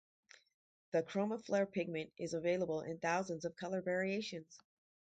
The ChromaFlair pigment is available in thousands of color variations.